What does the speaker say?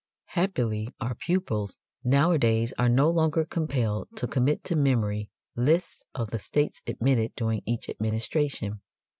Happily our pupils nowadays are no longer compelled to commit to memory lists of the states admitted during each administration.